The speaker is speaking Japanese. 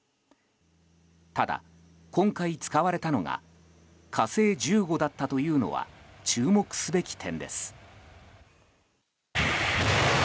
ただ、今回使われたのが「火星１５」だったというのは注目すべき点です。